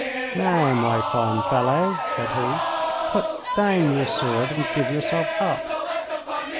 "Now, my fine fellow," said he, "put down your sword and give yourself up."